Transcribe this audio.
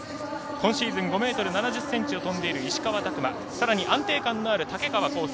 今シーズン５ｍ７０ｃｍを跳んでいる石川拓磨、安定感のある竹川倖生。